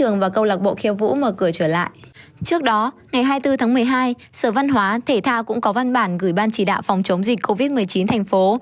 trước đó ngày hai mươi bốn tháng một mươi hai sở văn hóa thể thao cũng có văn bản gửi ban chỉ đạo phòng chống dịch covid một mươi chín thành phố